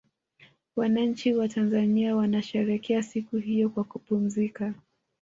wananchi watanzania wanasherekea siku hiyo kwa kupumzika